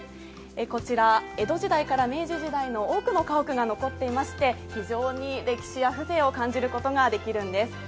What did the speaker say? こちら江戸時代から明治時代の多くの家屋が残っていまして非常に歴史や風情を感じることができるんです。